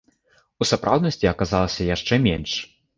У сапраўднасці аказалася яшчэ менш.